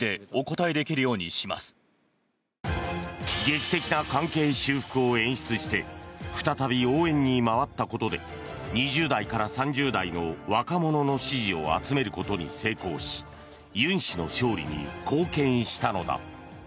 劇的な関係修復を演出して再び応援に回ったことで２０代から３０代の若者の支持を集めることに成功し尹氏の勝利に貢献したのだ。